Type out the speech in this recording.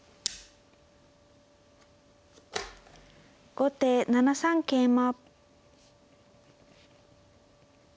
後手７三桂馬。